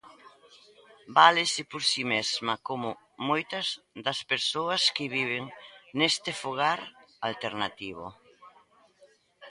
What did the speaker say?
Válese por si mesma, como moitas das persoas que viven neste fogar alternativo.